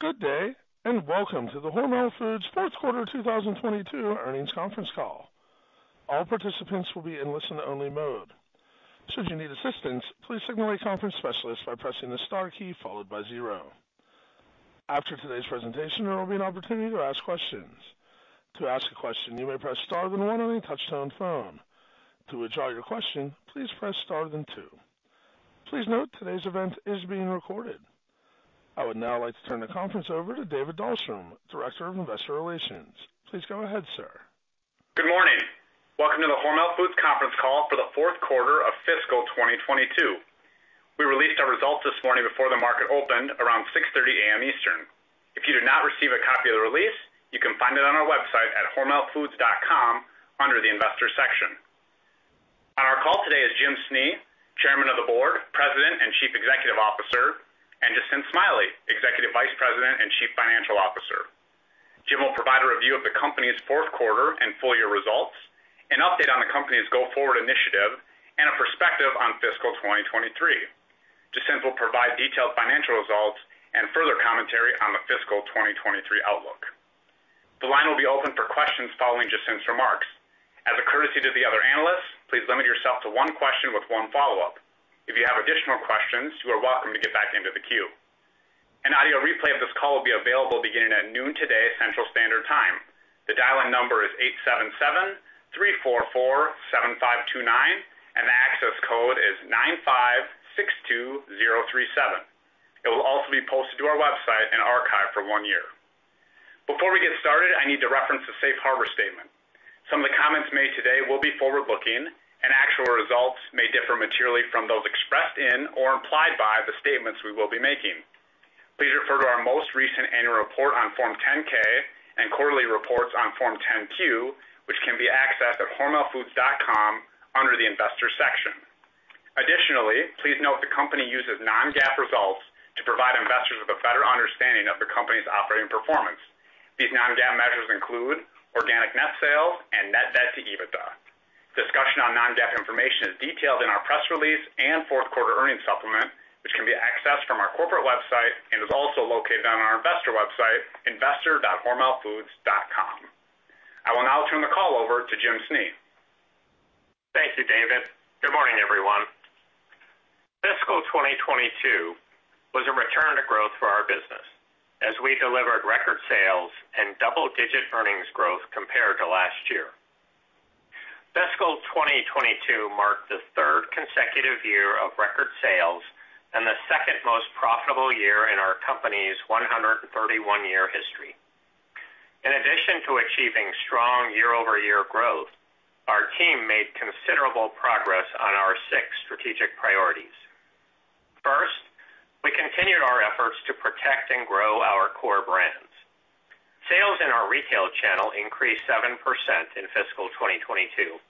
Good day, welcome to the Hormel Foods Fourth Quarter 2022 Earnings Conference Call. All participants will be in listen only mode. Should you need assistance, please signal a conference specialist by pressing the star key followed by zero. After today's presentation, there will be an opportunity to ask questions. To ask a question, you may press star then one on your touchtone phone. To withdraw your question, please press star then two. Please note today's event is being recorded. I would now like to turn the conference over to David Dahlstrom, Director of Investor Relations. Please go ahead, sir. Good morning. Welcome to the Hormel Foods conference call for the fourth quarter of fiscal 2022. We released our results this morning before the market opened around 6:30 A.M. Eastern. If you did not receive a copy of the release, you can find it on our website at hormelfoods.com under the investor section. On our call today is Jim Snee, Chairman of the Board, President, and Chief Executive Officer, and Jacinth Smiley, Executive Vice President and Chief Financial Officer. Jim will provide a review of the company's fourth quarter and full year results, an update on the company's go-forward initiative, and a perspective on fiscal 2023. Jacinth will provide detailed financial results and further commentary on the fiscal 2023 outlook. The line will be open for questions following Jacinth's remarks. As a courtesy to the other analysts, please limit yourself to one question with one follow-up. If you have additional questions, you are welcome to get back into the queue. An audio replay of this call will be available beginning at noon today, Central Standard Time. The dial-in number is 877-344-7529, and the access code is 9562037. It will also be posted to our website and archived for one year. Before we get started, I need to reference the Safe Harbor statement. Some of the comments made today will be forward-looking and actual results may differ materially from those expressed in or implied by the statements we will be making. Please refer to our most recent annual report on Form 10-K and quarterly reports on Form 10-Q, which can be accessed at hormelfoods.com under the investor section. Additionally, please note the company uses non-GAAP results to provide investors with a better understanding of the company's operating performance. These non-GAAP measures include organic net sales and net debt to EBITDA. Discussion on non-GAAP information is detailed in our press release and fourth quarter earnings supplement, which can be accessed from our corporate website and is also located on our investor website, investor.hormelfoods.com. I will now turn the call over to Jim Snee. Thank you, David. Good morning, everyone. Fiscal 2022 was a return to growth for our business as we delivered record sales and double-digit earnings growth compared to last year. Fiscal 2022 marked the third consecutive year of record sales and the second most profitable year in our company's 131 year history. In addition to achieving strong year-over-year growth, our team made considerable progress on our six strategic priorities. First, we continued our efforts to protect and grow our core brands. Sales in our Retail channel increased 7% in fiscal 2022,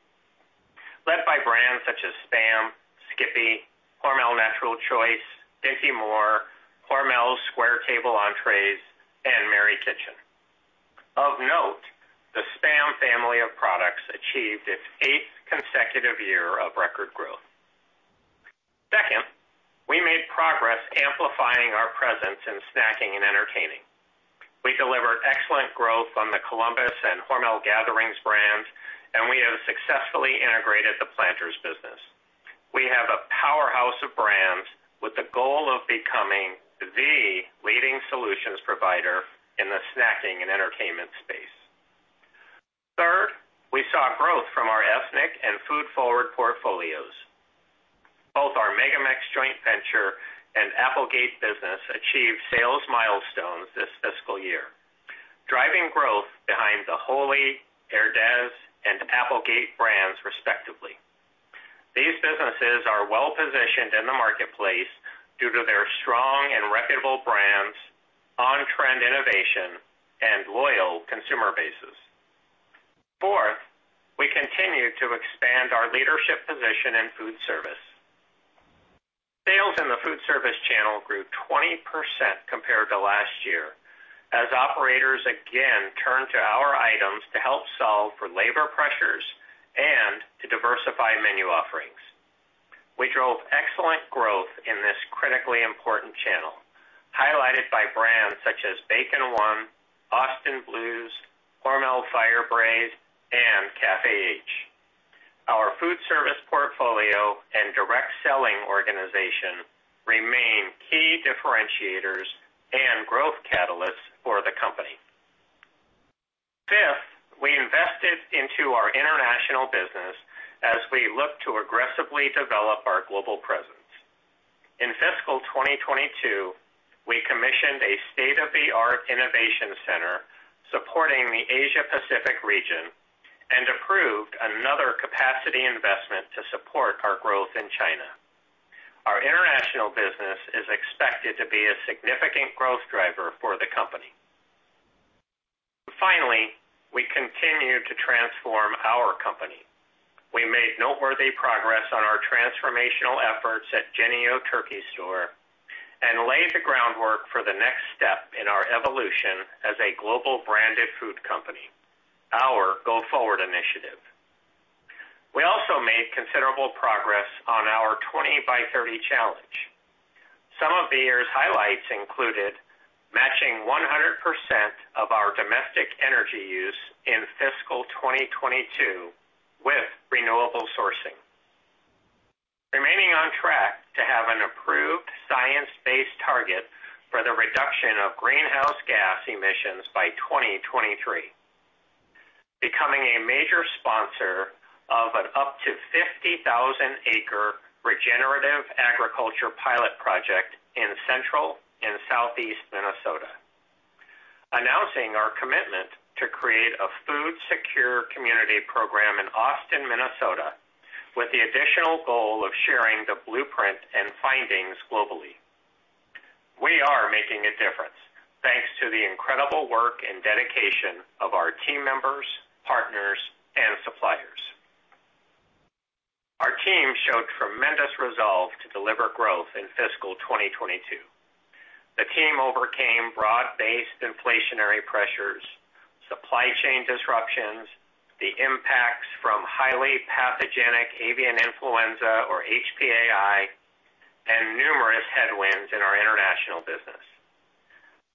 led by brands such as SPAM, SKIPPY, HORMEL NATURAL CHOICE, Dinty Moore, Hormel Square Table entrees, and MARY KITCHEN. Of note, the SPAM family of products achieved its eighth consecutive year of record growth. Second, we made progress amplifying our presence in snacking and entertaining. We delivered excellent growth on the Columbus and Hormel Gatherings brands, and we have successfully integrated the Planters business. We have a powerhouse of brands with the goal of becoming the leading solutions provider in the snacking and entertainment space. Third, we saw growth from our ethnic and food forward portfolios. Both our MegaMex joint venture and Applegate business achieved sales milestones this fiscal year, driving growth behind the Wholly, Herdez, and Applegate brands respectively. These businesses are well positioned in the marketplace due to their strong and reputable brands, on-trend innovation, and loyal consumer bases. Fourth, we continue to expand our leadership position in Foodservice. Sales in the Foodservice channel grew 20% compared to last year as operators again turned to our items to help solve for labor pressures and to diversify menu offerings. We drove excellent growth in this critically important channel, highlighted by brands such as Bacon 1, Austin Blues, HORMEL FIRE BRAISED, and Café H. Our Foodservice portfolio and direct selling organization remain key differentiators and growth catalysts for the company. Fifth, we invested into our international business as we look to aggressively develop our global presence. In fiscal 2022, we commissioned a state-of-the-art innovation center supporting the Asia Pacific region and approved another capacity investment to support our growth in China. Our international business is expected to be a significant growth driver for the company. Finally, we continue to transform our company. We made noteworthy progress on our transformational efforts at Jennie-O Turkey Store and laid the groundwork for the next step in our evolution as a global branded food company, our go-forward initiative. Progress on our 20 By 30 Challenge. Some of the year's highlights included matching 100% of our domestic energy use in fiscal 2022 with renewable sourcing. Remaining on track to have an approved science-based target for the reduction of greenhouse gas emissions by 2023. Becoming a major sponsor of an up to 50,000 acre regenerative agriculture pilot project in Central and Southeast Minnesota. Announcing our commitment to create a food secure community program in Austin, Minnesota, with the additional goal of sharing the blueprint and findings globally. We are making a difference thanks to the incredible work and dedication of our team members, partners, and suppliers. Our team showed tremendous resolve to deliver growth in fiscal 2022. The team overcame broad-based inflationary pressures, supply chain disruptions, the impacts from highly pathogenic avian influenza, or HPAI, and numerous headwinds in our international business.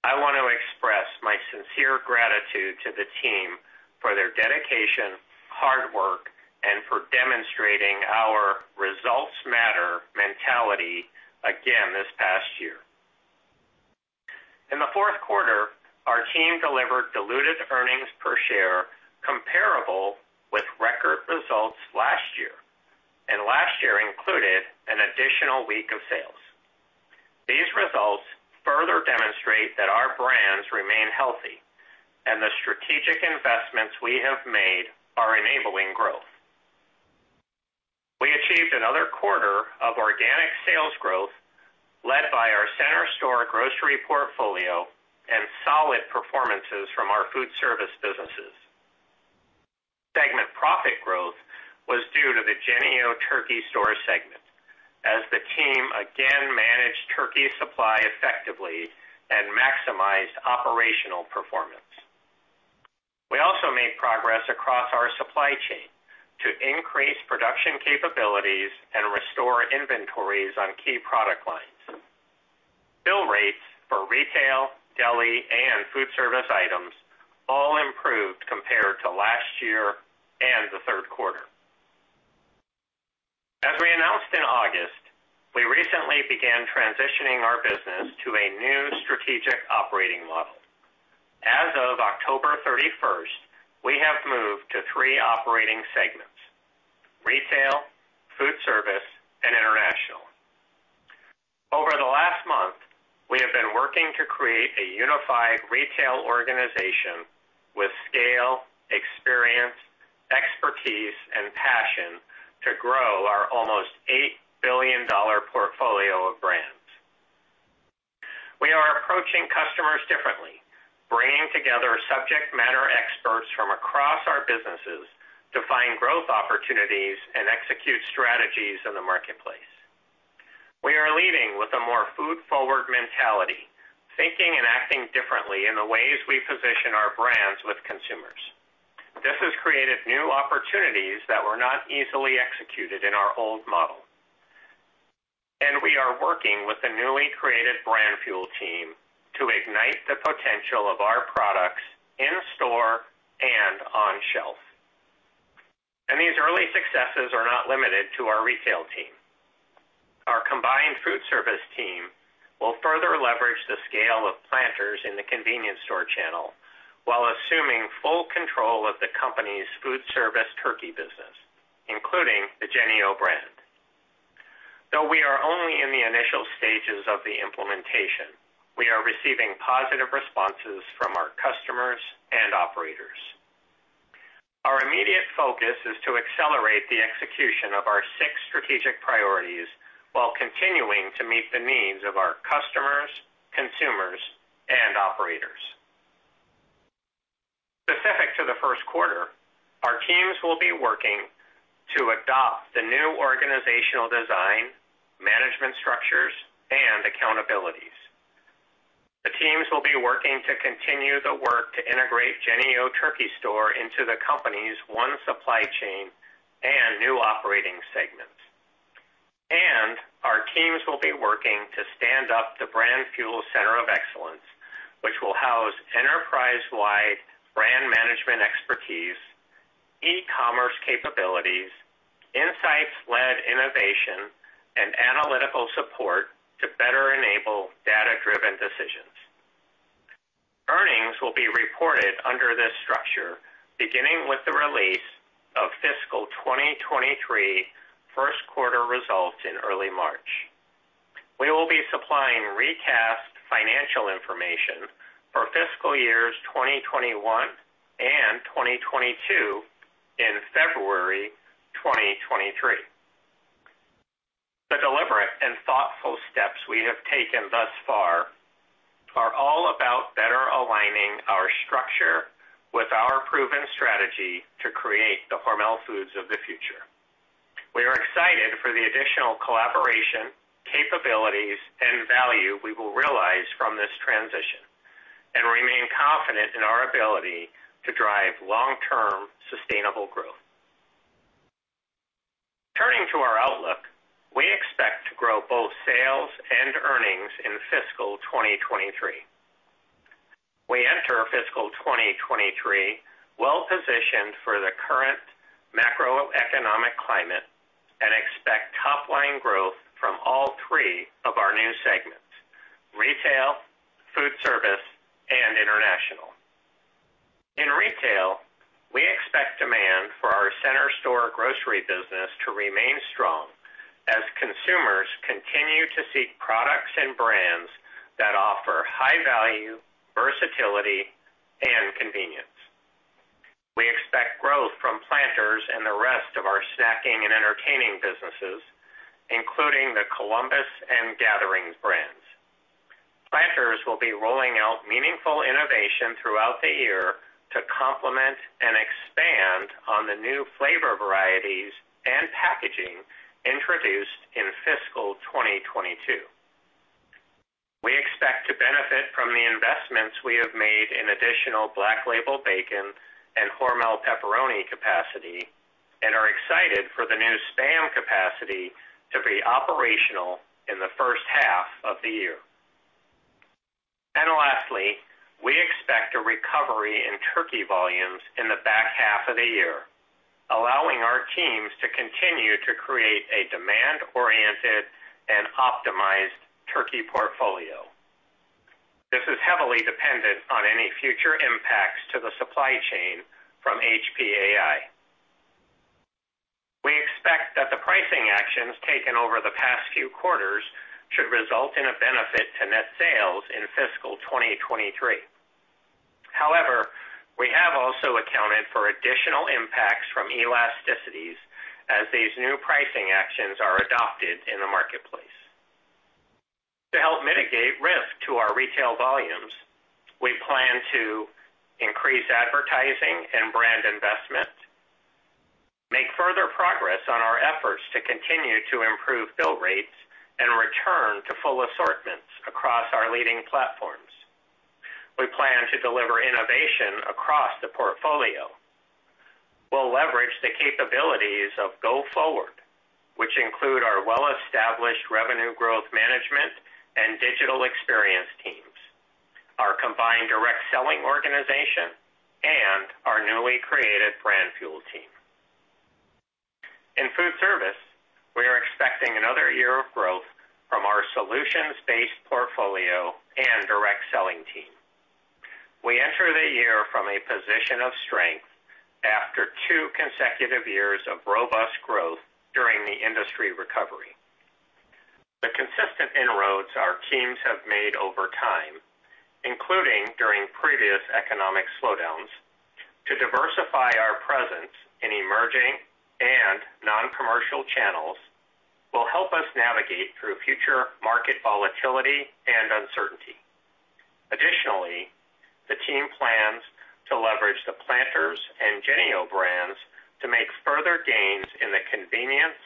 I want to express my sincere gratitude to the team for their dedication, hard work, and for demonstrating our results matter mentality again this past year. In the fourth quarter, our team delivered diluted earnings per share comparable with record results last year, and last year included an additional week of sales. These results further demonstrate that our brands remain healthy and the strategic investments we have made are enabling growth. We achieved another quarter of organic sales growth led by our center store grocery portfolio and solid performances from our Foodservice businesses. Segment profit growth was due to the Jennie-O Turkey Store segment as the team again managed turkey supply effectively and maximized operational performance. We also made progress across our supply chain to increase production capabilities and restore inventories on key product lines. Bill rates for Retail, Deli, and Foodservice items all improved compared to last year and the third quarter. As we announced in August, we recently began transitioning our business to a new strategic operating model. As of October 31st, we have moved to three operating segments, Retail, Foodservice, and International. Over the last month, we have been working to create a unified Retail organization with scale, experience, expertise, and passion to grow our almost $8 billion portfolio of brands. We are approaching customers differently, bringing together subject matter experts from across our businesses to find growth opportunities and execute strategies in the marketplace. We are leading with a more food-forward mentality, thinking and acting differently in the ways we position our brands with consumers. This has created new opportunities that were not easily executed in our old model. We are working with the newly created Brand Fuel team to ignite the potential of our products in store and on shelf. These early successes are not limited to our Retail team. Our combined Foodservice team will further leverage the scale of Planters in the convenience store channel while assuming full control of the company's Foodservice turkey business, including the Jennie-O brand. Though we are only in the initial stages of the implementation, we are receiving positive responses from our customers and operators. Our immediate focus is to accelerate the execution of our six strategic priorities while continuing to meet the needs of our customers, consumers, and operators. Specific to the first quarter, our teams will be working to adopt the new organizational design, management structures, and accountabilities. The teams will be working to continue the work to integrate Jennie-O Turkey Store into the company's One Supply Chain and new operating segments. Our teams will be working to stand up the Brand Fuel Center of Excellence, which will house enterprise-wide brand management expertise, e-commerce capabilities, insights-led innovation, and analytical support to better enable data-driven decisions. Earnings will be reported under this structure beginning with the release of fiscal 2023 first quarter results in early March. We will be supplying recast financial information for fiscal years 2021 and 2022 in February 2023. The deliberate and thoughtful steps we have taken thus far are all about better aligning our structure with our proven strategy to create the Hormel Foods of the future. We are excited for the additional collaboration, capabilities, and value we will realize from this transition. Confident in our ability to drive long-term sustainable growth. Turning to our outlook, we expect to grow both sales and earnings in fiscal 2023. We enter fiscal 2023 well-positioned for the current macroeconomic climate and expect top line growth from all three of our new segments, Retail, Foodservice, and International. In Retail, we expect demand for our center store grocery business to remain strong as consumers continue to seek products and brands that offer high value, versatility, and convenience. We expect growth from Planters and the rest of our snacking and entertaining businesses, including the Columbus and Gathering brands. Planters will be rolling out meaningful innovation throughout the year to complement and expand on the new flavor varieties and packaging introduced in fiscal 2022. We expect to benefit from the investments we have made in additional Black Label Bacon and HORMEL Pepperoni capacity and are excited for the new SPAM capacity to be operational in the first half of the year. Lastly, we expect a recovery in turkey volumes in the back half of the year, allowing our teams to continue to create a demand-oriented and optimized turkey portfolio. This is heavily dependent on any future impacts to the supply chain from HPAI. We expect that the pricing actions taken over the past few quarters should result in a benefit to net sales in fiscal 2023. However, we have also accounted for additional impacts from elasticities as these new pricing actions are adopted in the marketplace. To help mitigate risk to our Retail volumes, we plan to increase advertising and brand investment, make further progress on our efforts to continue to improve fill rates and return to full assortments across our leading platforms. We plan to deliver innovation across the portfolio. We'll leverage the capabilities of Go Forward, which include our well-established Revenue Growth Management and digital experience teams, our combined direct selling organization, and our newly created Brand Fuel team. In Foodservice, we are expecting another year of growth from our solutions-based portfolio and direct selling team. We enter the year from a position of strength after two consecutive years of robust growth during the industry recovery. The consistent inroads our teams have made over time, including during previous economic slowdowns, to diversify our presence in emerging and non-commercial channels will help us navigate through future market volatility and uncertainty. Additionally, the team plans to leverage the Planters and Jennie-O brands to make further gains in the convenience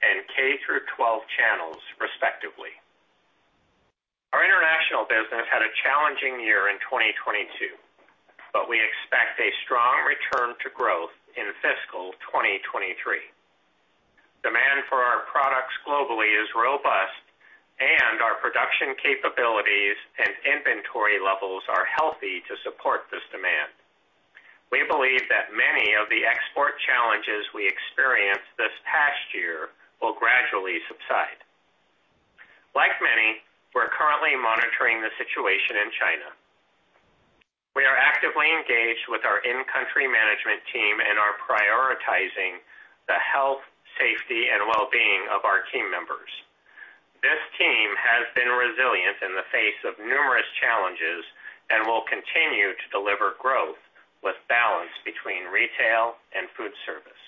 and K-12 channels, respectively. Our International business had a challenging year in 2022, but we expect a strong return to growth in fiscal 2023. Demand for our products globally is robust and our production capabilities and inventory levels are healthy to support this demand. We believe that many of the export challenges we experienced this past year will gradually subside. Like many, we're currently monitoring the situation in China. We are actively engaged with our in-country management team and are prioritizing the health, safety, and well-being of our team members. This team has been resilient in the face of numerous challenges and will continue to deliver growth with balance between Retail and Foodservice.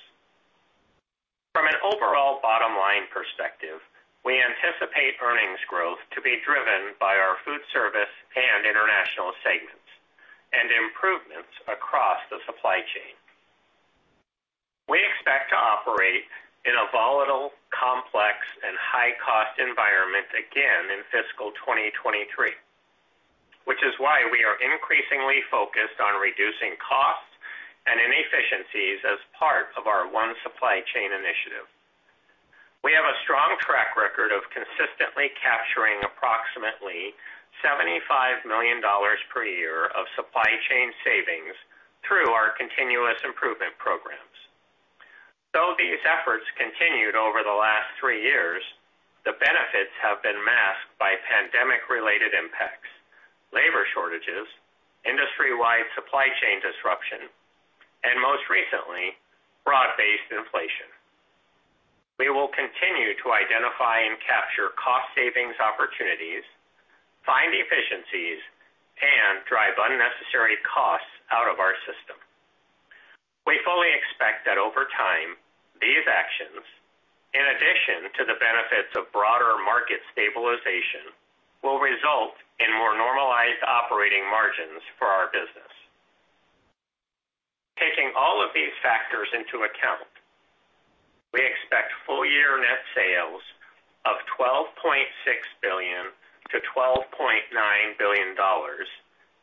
From an overall bottom-line perspective, we anticipate earnings growth to be driven by our Foodservice and International segments and improvements across the supply chain. We expect to operate in a volatile, complex, and high-cost environment again in fiscal 2023, which is why we are increasingly focused on reducing costs and inefficiencies as part of our One Supply Chain initiative. We have a strong track record of consistently capturing approximately $75 million per year of supply chain savings through our continuous improvement programs. Though these efforts continued over the last three years, the benefits have been masked by pandemic-related impacts, labor shortages, industry-wide supply chain disruption, and most recently, broad-based inflation. We will continue to identify and capture cost savings opportunities, find efficiencies, and drive unnecessary costs out of our system. We fully expect that over time, these actions, in addition to the benefits of broader market stabilization, will result in more normalized operating margins for our business. Taking all of these factors into account. Year net sales of $12.6 billion-$12.9 billion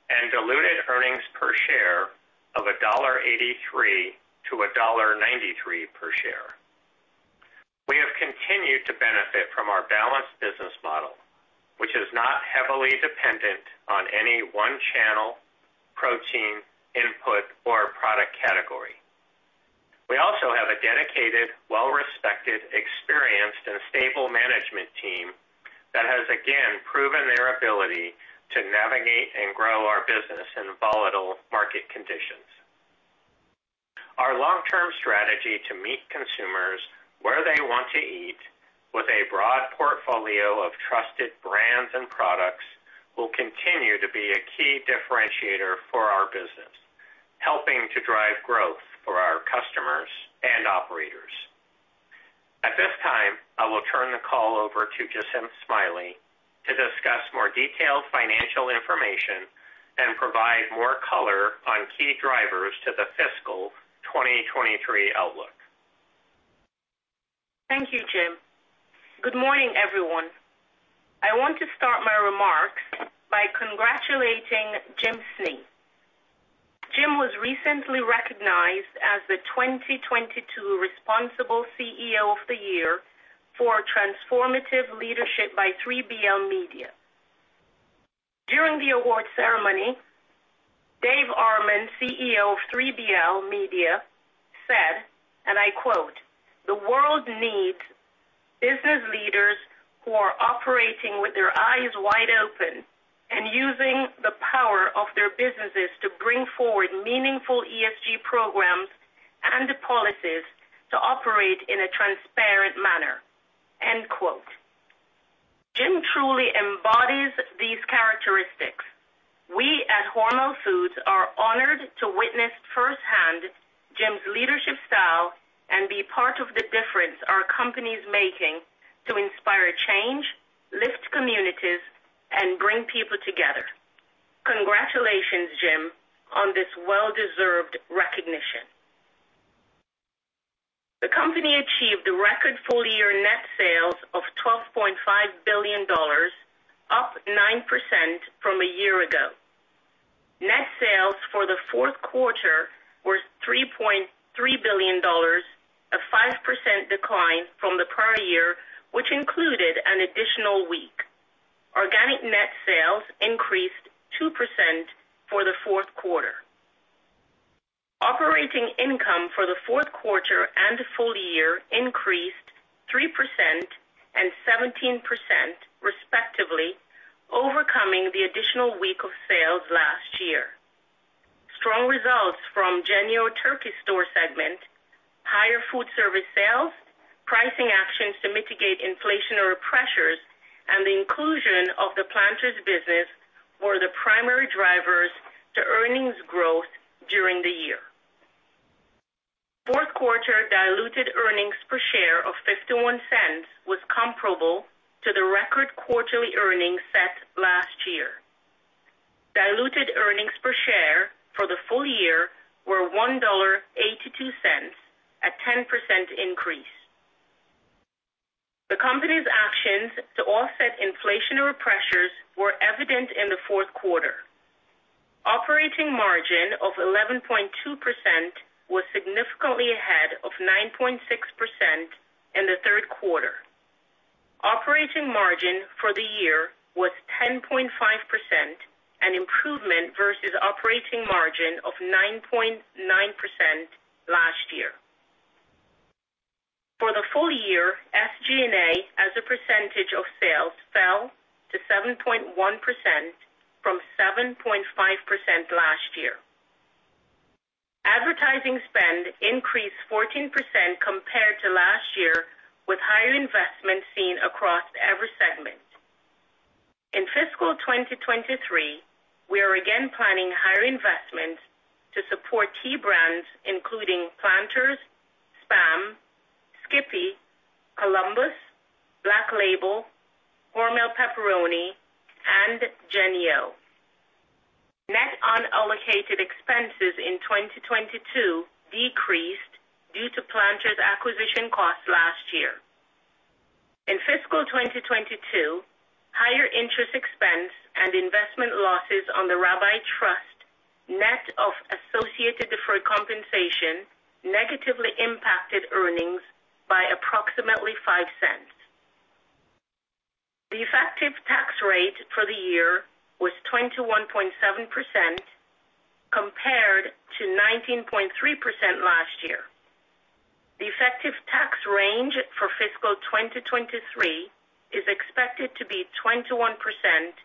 and diluted earnings per share of $1.83-$1.93 per share. We have continued to benefit from our balanced business model, which is not heavily dependent on any one channel, protein input or product category. We also have a dedicated, well-respected, experienced and stable management team that has again proven their ability to navigate and grow our business in volatile market conditions. Our long-term strategy to meet consumers where they want to eat with a broad portfolio of trusted brands and products will continue to be a key differentiator for our business, helping to drive growth for our customers and operators. At this time, I will turn the call over to Jacinth Smiley to discuss more detailed financial information and provide more color on key drivers to the fiscal 2023 outlook. Thank you, Jim. Good morning, everyone. I want to start my remarks by congratulating Jim Snee. Jim was recently recognized as the 2022 Responsible CEO of the Year for transformative leadership by 3BL Media. During the award ceremony, Dave Armon, CEO of 3BL Media, said, and I quote, "The world needs business leaders who are operating with their eyes wide open and using the power of their businesses to bring forward meaningful ESG programs and policies to operate in a transparent manner." End quote. Jim truly embodies these characteristics. We at Hormel Foods are honored to witness firsthand Jim's leadership style and be part of the difference our company's making to inspire change, lift communities, and bring people together. Congratulations, Jim, on this well-deserved recognition. The company achieved a record full-year net sales of $12.5 billion, up 9% from a year ago. Net sales for the fourth quarter were $3.3 billion, a 5% decline from the prior year, which included an additional week. Organic net sales increased 2% for the fourth quarter. Operating income for the fourth quarter and full year increased 3% and 17% respectively, overcoming the additional week of sales last year. Strong results from Jennie-O Turkey Store segment, higher Foodservice sales, pricing actions to mitigate inflationary pressures, and the inclusion of the Planters business were the primary drivers to earnings growth during the year. Fourth quarter diluted earnings per share of $0.51 was comparable to the record quarterly earnings set last year. Diluted earnings per share for the full year were $1.82, a 10% increase. The Company's actions to offset inflationary pressures were evident in the fourth quarter. Operating margin of 11.2% was significantly ahead of 9.6% in the third quarter. Operating margin for the year was 10.5%, an improvement versus operating margin of 9.9% last year. For the full year, SG&A, as a percentage of sales, fell to 7.1% from 7.5% last year. Advertising spend increased 14% compared to last year, with higher investment seen across every segment. In fiscal 2023, we are again planning higher investments to support key brands including Planters, SPAM, SKIPPY, Columbus, Black Label, HORMEL Pepperoni, and Jennie-O. Net unallocated expenses in 2022 decreased due to Planters acquisition costs last year. In fiscal 2022, higher interest expense and investment losses on the Rabbi Trust, net of associated deferred compensation, negatively impacted earnings by approximately $0.05. The effective tax rate for the year was 21.7% compared to 19.3% last year. The effective tax range for fiscal 2023 is expected to be 21%-23%.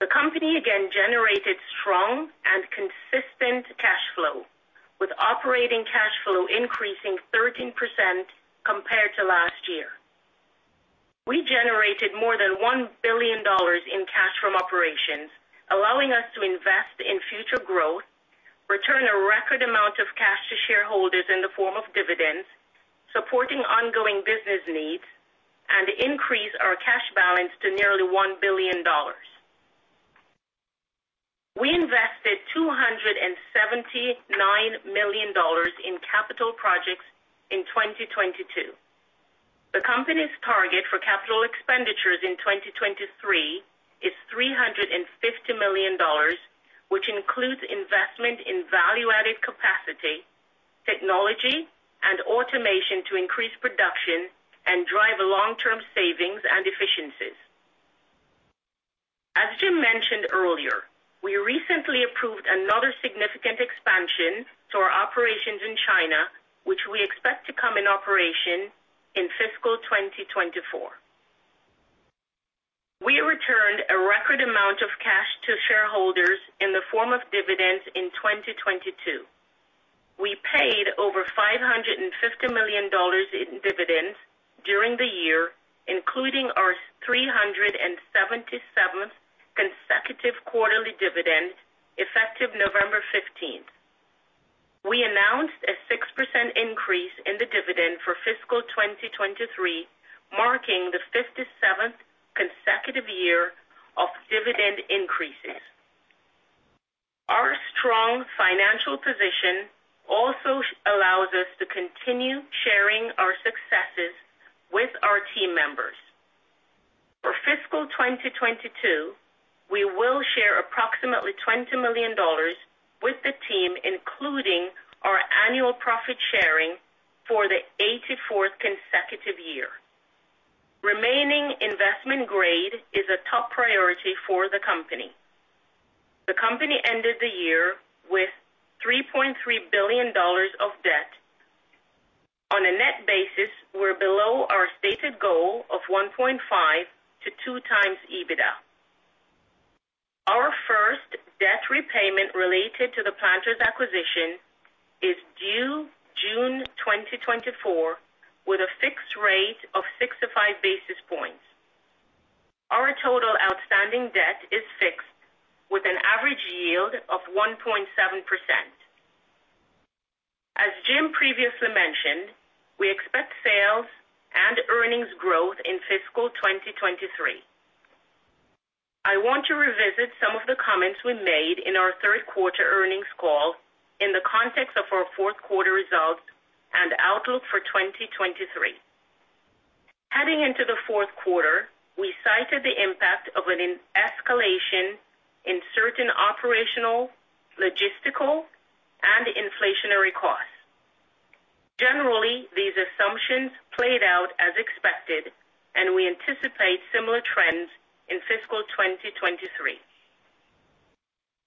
The company again generated strong and consistent cash flow, with operating cash flow increasing 13% compared to last year. We generated more than $1 billion in cash from operations, allowing us to invest in future growth, return a record amount of cash to shareholders in the form of dividends, supporting ongoing business needs, and increase our cash balance to nearly $1 billion. We invested $279 million in capital projects in 2022. The company's target for capital expenditures in 2023 is $350 million, which includes investment in value-added capacity, technology and automation to increase production and drive long-term savings and efficiencies. As Jim mentioned earlier, we recently approved another significant expansion to our operations in China, which we expect to come in operation in fiscal 2024. We returned a record amount of cash to shareholders in the form of dividends in 2022. We paid over $550 million in dividends during the year, including our 377th consecutive quarterly dividend, effective November 15th. We announced a 6% increase in the dividend for fiscal 2023, marking the 57th consecutive year of dividend increases. Our strong financial position also allows us to continue sharing our successes with our team members. For fiscal 2022, we will share approximately $20 million with the team, including our annual profit sharing for the 84th consecutive year. Remaining investment grade is a top priority for the company. The company ended the year with $3.3 billion of debt. On a net basis, we're below our stated goal of 1.5x-2x EBITDA. Our first debt repayment related to the Planters acquisition is due June 2024 with a fixed rate of 65 basis points. Our total outstanding debt is fixed with an average yield of 1.7%. As Jim previously mentioned, we expect sales and earnings growth in fiscal 2023. I want to revisit some of the comments we made in our third quarter earnings call in the context of our fourth quarter results and outlook for 2023. Heading into the fourth quarter, we cited the impact of an escalation in certain operational, logistical and inflationary costs. Generally, these assumptions played out as expected, and we anticipate similar trends in fiscal 2023.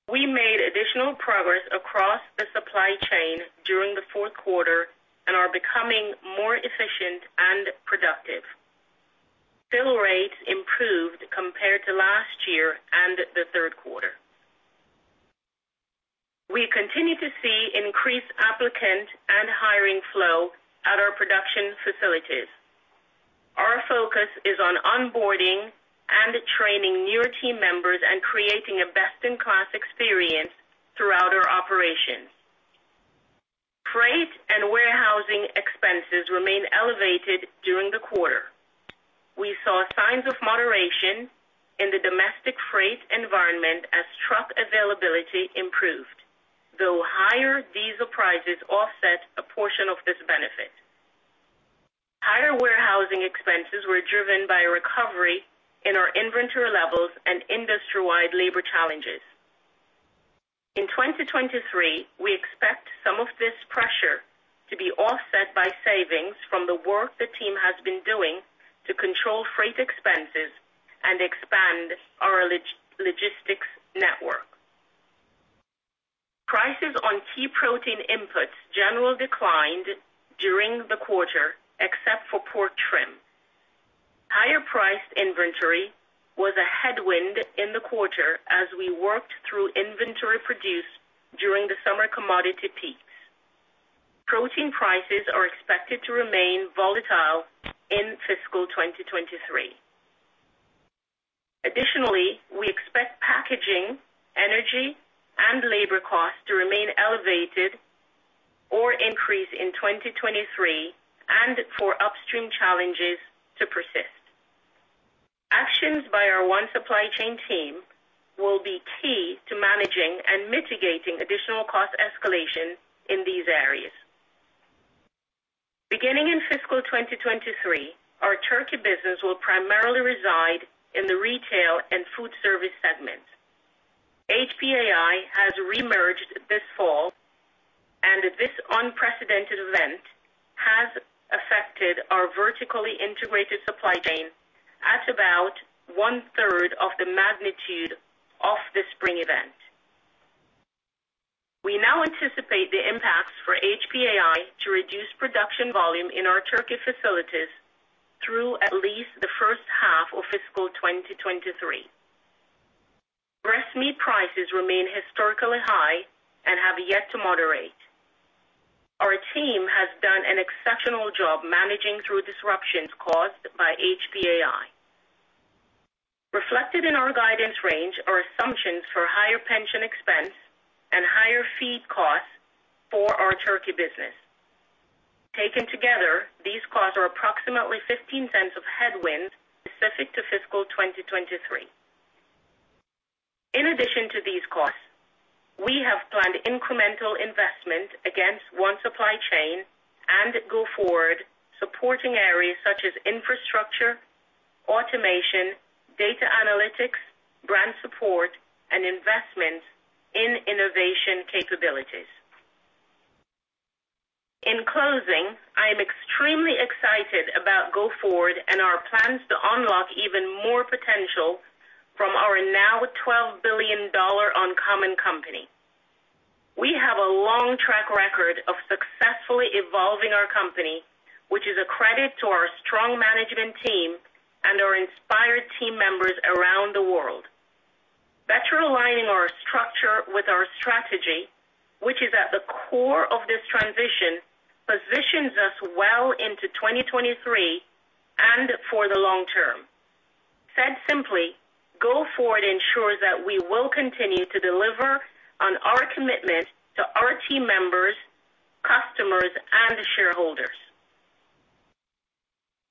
We made additional progress across the supply chain during the fourth quarter and are becoming more efficient and productive. Fill rates improved compared to last year and the third quarter. We continue to see increased applicant and hiring flow at our production facilities. Our focus is on onboarding and training newer team members and creating a best-in-class experience throughout our operations. Freight and warehousing expenses remain elevated during the quarter. We saw signs of moderation in the domestic freight environment as truck availability improved, though higher diesel prices offset a portion of this benefit. Higher warehousing expenses were driven by recovery in our inventory levels and industry-wide labor challenges. In 2023, we expect some of this pressure to be offset by savings from the work the team has been doing to control freight expenses and expand our logistics network. Prices on key protein inputs generally declined during the quarter, except for pork trim. Higher priced inventory was a headwind in the quarter as we worked through inventory produced during the summer commodity peaks. Protein prices are expected to remain volatile in fiscal 2023. Additionally, we expect packaging, energy and labor costs to remain elevated or increase in 2023 and for upstream challenges to persist. Actions by our One Supply Chain team will be key to managing and mitigating additional cost escalation in these areas. Beginning in fiscal 2023, our turkey business will primarily reside in the Retail and Foodservice segments. HPAI has reemerged this fall, and this unprecedented event has affected our vertically integrated supply chain at about 1/3 of the magnitude of the spring event. We now anticipate the impacts for HPAI to reduce production volume in our turkey facilities through at least the first half of fiscal 2023. Breast meat prices remain historically high and have yet to moderate. Our team has done an exceptional job managing through disruptions caused by HPAI. Reflected in our guidance range are assumptions for higher pension expense and higher feed costs for our turkey business. Taken together, these costs are approximately $0.15 of headwind specific to fiscal 2023. In addition to these costs, we have planned incremental investment against One Supply Chain and go-forward supporting areas such as infrastructure, automation, data analytics, brand support and investment in innovation capabilities. In closing, I am extremely excited about go-forward and our plans to unlock even more potential from our now $12 billion uncommon company. We have a long track record of successfully evolving our company, which is a credit to our strong management team and our inspired team members around the world. Better aligning our structure with our strategy, which is at the core of this transition, positions us well into 2023 and for the long term. Said simply, Go Forward ensures that we will continue to deliver on our commitment to our team members, customers and shareholders.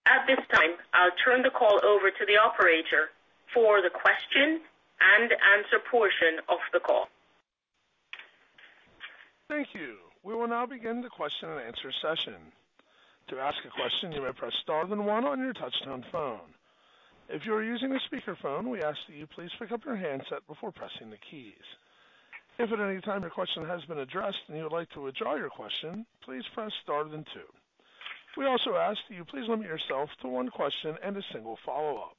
At this time, I'll turn the call over to the operator for the question and answer portion of the call. Thank you. We will now begin the question and answer session. To ask a question, you may press star then one on your touchtone phone. If you are using a speakerphone, we ask that you please pick up your handset before pressing the keys. If at any time your question has been addressed and you would like to withdraw your question, please press star then two. We also ask that you please limit yourself to one question and a single follow-up.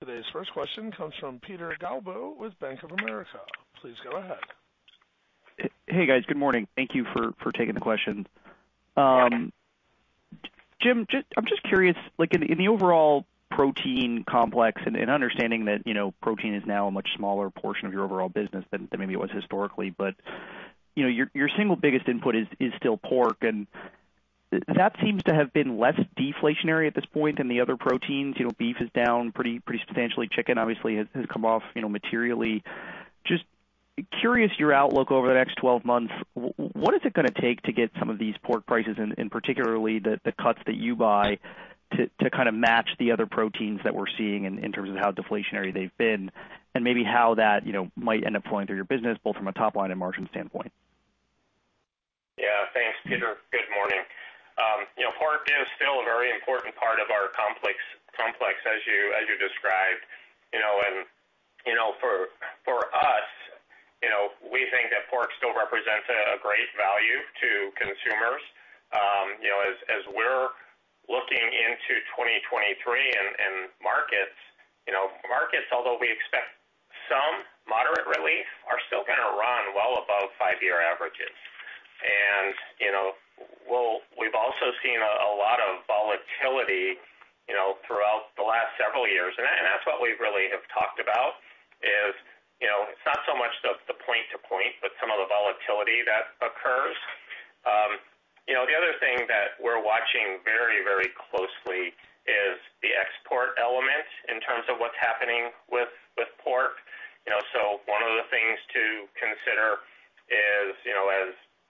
Today's first question comes from Peter Galbo with Bank of America. Please go ahead. Hey, guys. Good morning. Thank you for taking the question. Jim, I'm just curious, like in the overall protein complex and understanding that, you know, protein is now a much smaller portion of your overall business than maybe it was historically. You know, your single biggest input is still pork, and that seems to have been less deflationary at this point than the other proteins. You know, beef is down pretty substantially. Chicken obviously has come off, you know, materially. Just curious your outlook over the next 12 months. What is it gonna take to get some of these pork prices and particularly the cuts that you buy to kind of match the other proteins that we're seeing in terms of how deflationary they've been and maybe how that, you know, might end up flowing through your business, both from a top line and margin standpoint? Yeah. Thanks, Peter. Good morning. you know, pork is still a very important part of our complex as you described. you know, for us, you know, we think that pork still represents a great value to consumers. you know, as we're looking into 2023 and markets, you know, markets, although we expect some moderate relief, are still gonna run well above five-year averages. you know, we've also seen a lot of volatility, you know, throughout the last several years. that's what we really have talked about is, you know, it's not so much the point to point, but some of the volatility that occurs. you know, the other thing that we're watching very closely is the export element in terms of what's happening with pork. You know, one of the things to consider is, you know,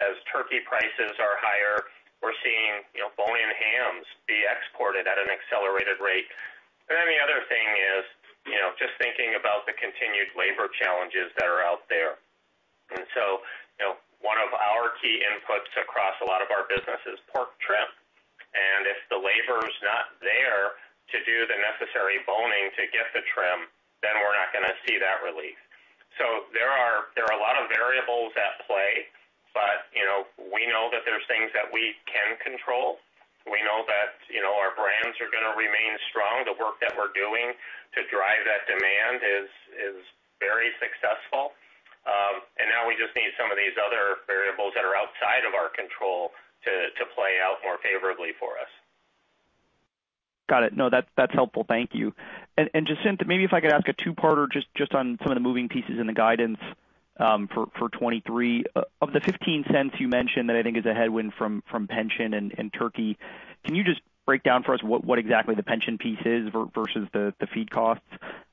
as turkey prices are higher, we're seeing, you know, bone-in hams be exported at an accelerated rate. The other thing is, you know, just thinking about the continued labor challenges that are out there. You know, one of our key inputs across a lot of our business is pork trim. If the labor's not there to do the necessary boning to get the trim, then we're not gonna see that relief. There are a lot of variables at play. You know, we know that there's things that we can control. We know that, you know, our brands are gonna remain strong. The work that we're doing to drive that demand is very successful. Now we just need some of these other variables that are outside of our control to play out more favorably for us. Got it. No, that's helpful. Thank you. Jacinth, maybe if I could ask a two-parter just on some of the moving pieces in the guidance for 2023. Of the $0.15 you mentioned that I think is a headwind from pension and turkey, can you just break down for us what exactly the pension piece is versus the feed costs?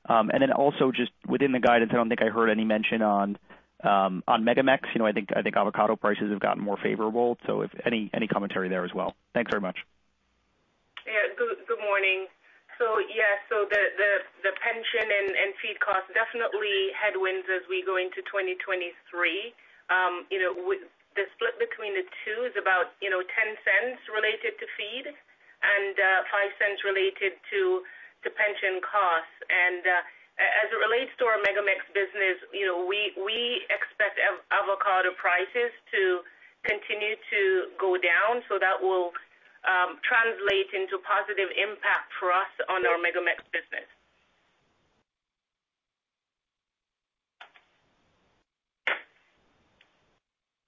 Also just within the guidance, I don't think I heard any mention on MegaMex. You know, avocado prices have gotten more favorable, so if any commentary there as well. Thanks very much. Yeah. Good, good morning. Yeah, the pension and feed costs definitely headwinds as we go into 2023. you know, the split between the two is about, you know, $0.10 related to feed and $0.05 related to pension costs. As it relates to our MegaMex business, you know, we expect avocado prices to continue to go down, so that will translate into positive impact for us on our MegaMex business.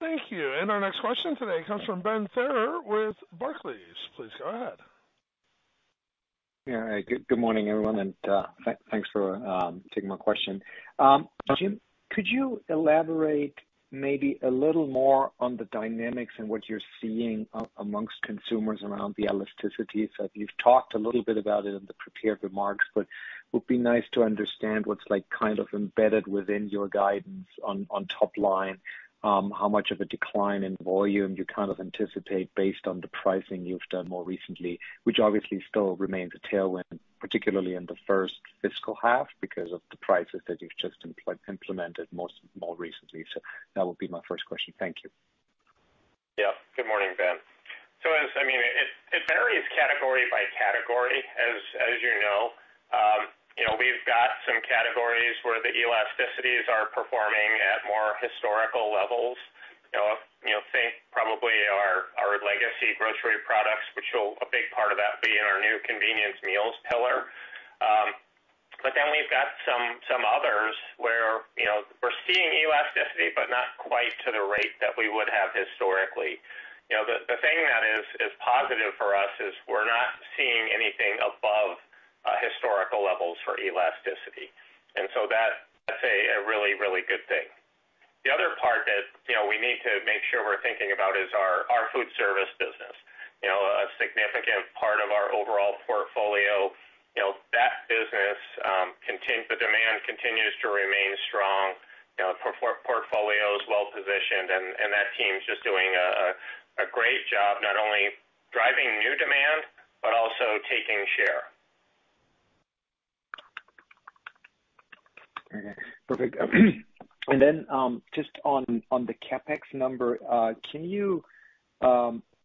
Thank you. Our next question today comes from Ben Theurer with Barclays. Please go ahead. Good morning, everyone, and thanks for taking my question. Jim, could you elaborate maybe a little more on the dynamics and what you're seeing amongst consumers around the elasticity? You've talked a little bit about it in the prepared remarks, but it would be nice to understand what's like kind of embedded within your guidance on top line, how much of a decline in volume you kind of anticipate based on the pricing you've done more recently, which obviously still remains a tailwind, particularly in the first fiscal half because of the prices that you've just implemented more recently. That would be my first question. Thank you. Yeah. Good morning, Ben. As it varies category by category, as you know. You know, we've got some categories where the elasticities are performing at more historical levels. You know, think probably our legacy grocery products, which a big part of that be in our new convenience meals pillar. We've got some others where, you know, we're seeing elasticity, but not quite to the rate that we would have historically. You know, the thing that is positive for us is we're not seeing anything above historical levels for elasticity. That's a really good thing. The other part that, you know, we need to make sure we're thinking about is our Foodservice business. You know, a significant part of our overall portfolio. You know, that business, the demand continues to remain strong. You know, portfolios well positioned, and that team's just doing a great job, not only driving new demand but also taking share. Okay. Perfect. Just on the CapEx number, can you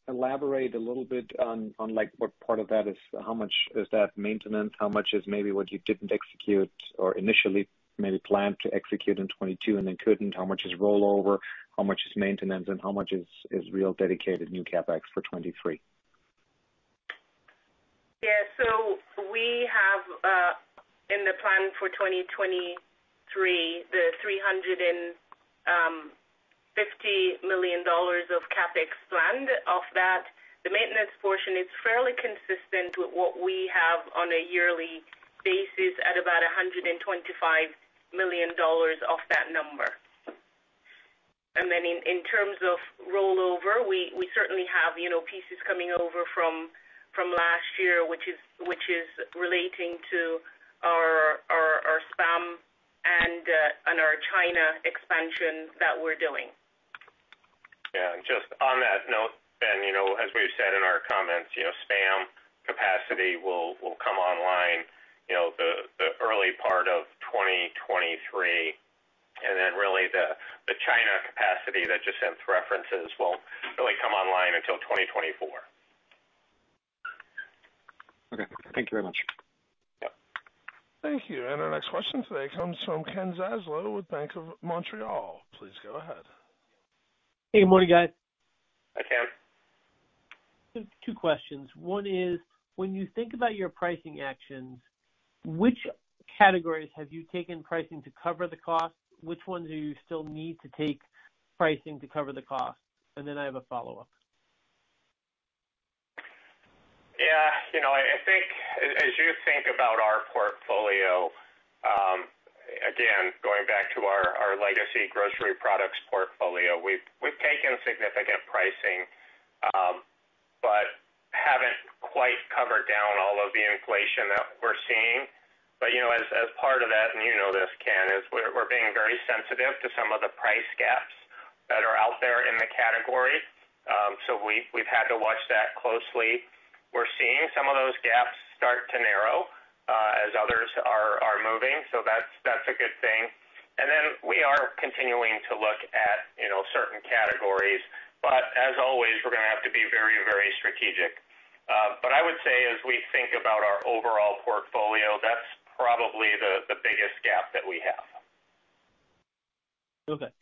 elaborate a little bit on like what part of that how much is that maintenance? How much is maybe what you didn't execute or initially maybe planned to execute in 2022 and then couldn't? How much is rollover? How much is maintenance? And how much is real dedicated new CapEx for 2023? Yeah. We have in the plan for 2023, the $350 million of CapEx planned. Of that, the maintenance portion is fairly consistent with what we have on a yearly basis at about $125 million of that number. In terms of rollover, we certainly have, you know, pieces coming over from last year, which is relating to our SPAM and our China expansion that we're doing. Yeah. Just on that note, Ben, you know, as we've said in our comments, you know, SPAM capacity will come online, you know, the early part of 2023. Then really the China capacity that Jacinth references won't really come online until 2024. Okay. Thank you very much. Yep. Thank you. Our next question today comes from Ken Zaslow with Bank of Montreal. Please go ahead. Hey, good morning, guys. Hi, Ken. Two questions. One is, when you think about your pricing actions, which categories have you taken pricing to cover the cost? Which ones do you still need to take pricing to cover the cost? I have a follow-up. You know, I think as you think about our portfolio, again, going back to our legacy grocery products portfolio, we've taken significant pricing, but haven't quite covered down all of the inflation that we're seeing. You know, as part of that, and you know this, Ken, is we're being very sensitive to some of the price gaps that are out there in the category. We've had to watch that closely. We're seeing some of those gaps start to narrow as others are moving, so that's a good thing. We are continuing to look at, you know, certain categories, as always, we're gonna have to be very strategic. I would say, as we think about our overall portfolio, that's probably the biggest gap that we have. Okay.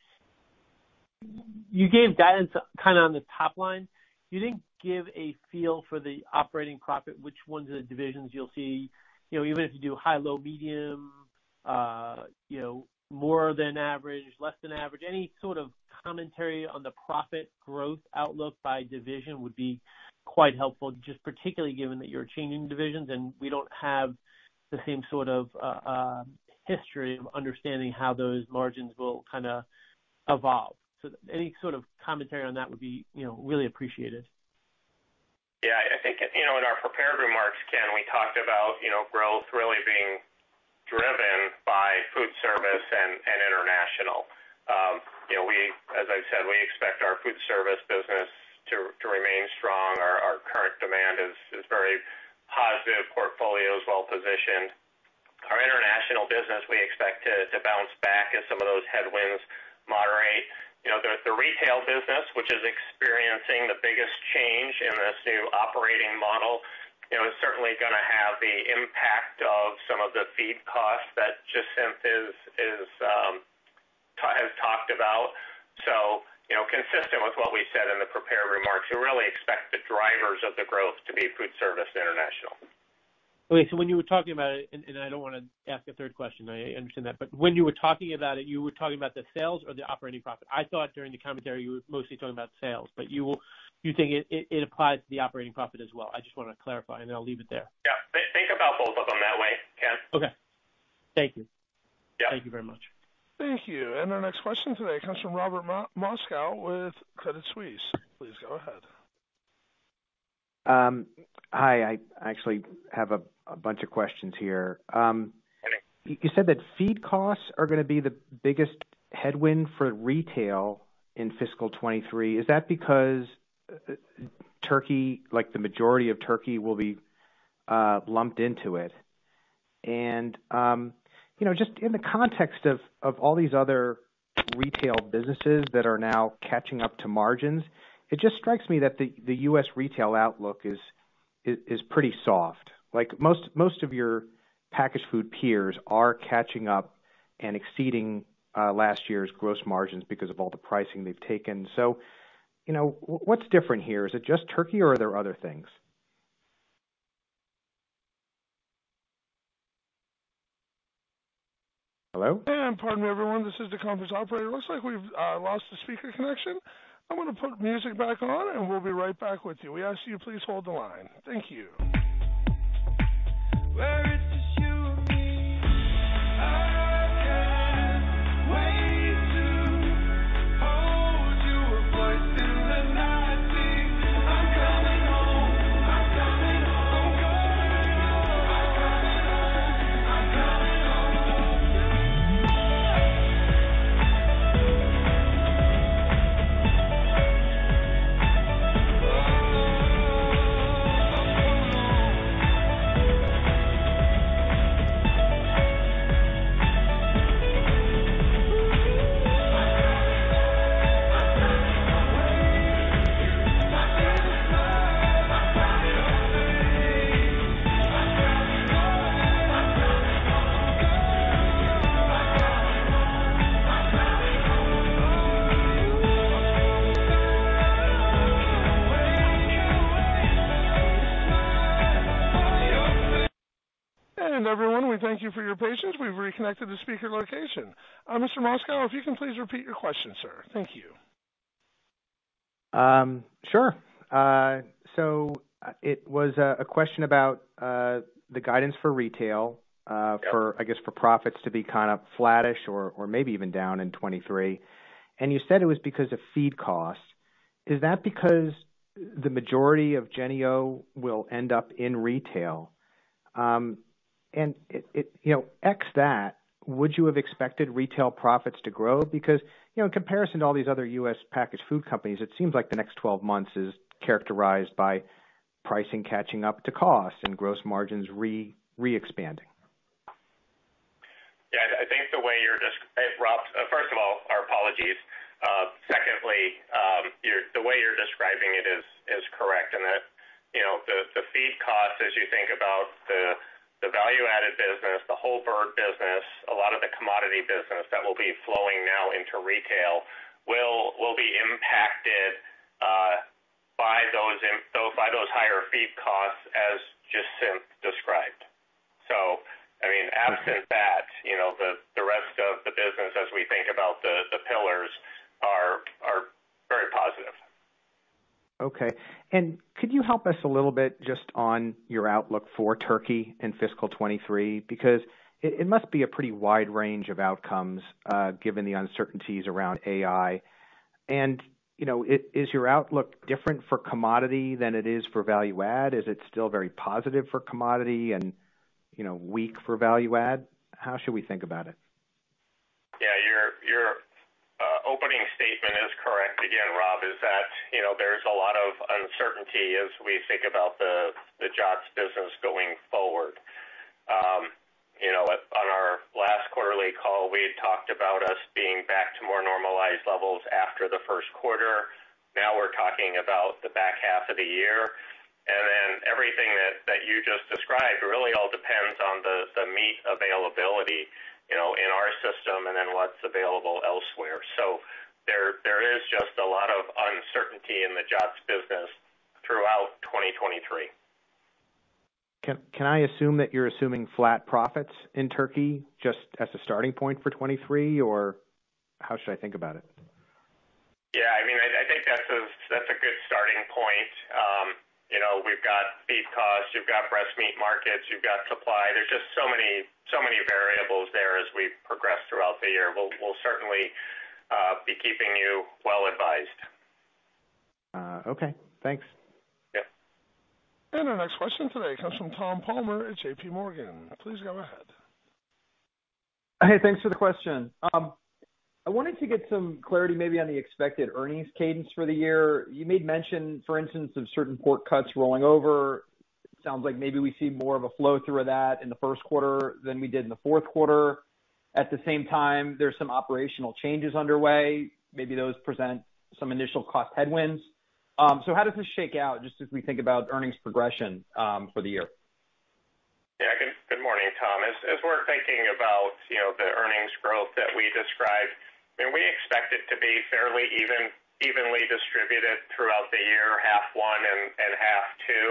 You gave guidance kinda on the top line. You didn't give a feel for the operating profit, which ones are the divisions you'll see. You know, even if you do high, low, medium, you know, more than average, less than average. Any sort of commentary on the profit growth outlook by division would be quite helpful, just particularly given that you're changing divisions and we don't have the same sort of history of understanding how those margins will kinda evolve. Any sort of commentary on that would be, you know, really appreciated. Yeah, I think, you know, in our prepared remarks, Ken, we talked about, you know, growth really being driven by Foodservice and International. You know, as I said, we expect our Foodservice business to remain strong. Our current demand is very positive. Portfolio is well positioned. Our International business we expect to bounce back as some of those headwinds moderate. You know, the Retail business, which is experiencing the biggest change in this new operating model, you know, is certainly gonna have the impact of some of the feed costs that Jacinth is talked about. Consistent with what we said in the prepared remarks, we really expect the drivers of the growth to be Foodservice and International. Okay. When you were talking about it, and I don't wanna ask a third question, I understand that, but when you were talking about it, you were talking about the sales or the operating profit? I thought during the commentary you were mostly talking about sales, but you think it applies to the operating profit as well. I just wanna clarify and then I'll leave it there. Yeah. Think about both of them that way, Ken. Okay. Thank you. Yeah. Thank you very much. Thank you. Our next question today comes from Robert Moskow with Credit Suisse. Please go ahead. Hi. I actually have a bunch of questions here. Okay. You said that feed costs are gonna be the biggest headwind for Retail in fiscal 2023. Is that because turkey, like the majority of turkey, will be lumped into it? You know, just in the context of all these other Retail businesses that are now catching up to margins, it just strikes me that the U.S. Retail outlook is pretty soft. Like, most of your packaged food peers are catching up and exceeding last year's gross margins because of all the pricing they've taken. You know, what's different here? Is it just turkey or are there other things? Hello? Pardon me everyone, this is the conference operator. It looks like we've lost the speaker connection. I'm gonna put music back on, and we'll be right back with you. We ask you please hold the line. Thank you. Everyone, we thank you for your patience. We've reconnected to speaker location. Mr. Moskow, if you can please repeat your question, sir. Thank you. Sure. It was a question about the guidance for Retail. Yeah. -for, I guess, for profits to be kind of flattish or maybe even down in 2023. You said it was because of feed costs. Is that because the majority of Jennie-O will end up in Retail? You know, x that, would you have expected Retail profits to grow? You know, in comparison to all these other US packaged food companies, it seems like the next 12 months is characterized by pricing catching up to cost and gross margins re-expanding. Yeah. I think the way you're Rob, first of all, our apologies. secondly, the way you're describing it is correct. That, you know, the feed costs as you think about the value-added business, the whole bird business, a lot of the commodity business that will be flowing now into Retail will be impacted by those higher feed costs as Jacinth described. I mean absent that, you know, the rest of the business as we think about the pillars are very positive. Okay. Could you help us a little bit just on your outlook for turkey in fiscal 2023? Because it must be a pretty wide range of outcomes, given the uncertainties around AI. You know, is your outlook different for commodity than it is for value add? Is it still very positive for commodity and, you know, weak for value add? How should we think about it? Yeah, your opening statement is correct again, Rob, is that, you know, there's a lot of uncertainty as we think about the Justin's business going forward. You know, on our last quarterly call, we had talked about us being back to more normalized levels after the first quarter. Now we're talking about the back half of the year. Everything that you just described really all depends on the meat availability, you know, in our system and then what's available elsewhere. There is just a lot of uncertainty in the Justin's business throughout 2023. Can I assume that you're assuming flat profits in turkey just as a starting point for 2023, or how should I think about it? Yeah, I mean, I think that's a, that's a good starting point. You know, we've got feed costs, you've got breast meat markets, you've got supply. There's just so many variables there as we progress throughout the year. We'll certainly be keeping you well advised. Okay. Thanks. Yeah. Our next question today comes from Tom Palmer at JPMorgan. Please go ahead. Hey, thanks for the question. I wanted to get some clarity maybe on the expected earnings cadence for the year. You made mention, for instance, of certain pork cuts rolling over. Sounds like maybe we see more of a flow through of that in the first quarter than we did in the fourth quarter. At the same time, there's some operational changes underway. Maybe those present some initial cost headwinds. How does this shake out just as we think about earnings progression for the year? Good morning, Tom. As we're thinking about, you know, the earnings growth that we described, we expect it to be fairly evenly distributed throughout the year, half one and half two.